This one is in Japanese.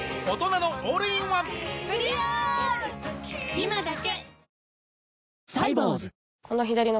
今だけ！